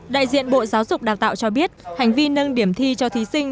đại diện bộ giáo dục đào tạo cho biết hành vi nâng điểm thi cho thí sinh